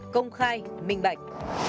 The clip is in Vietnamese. công khai minh bạch